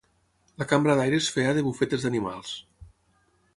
La cambra d’aire es feia de bufetes d’animals.